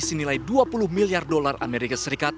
senilai dua puluh miliar dolar amerika serikat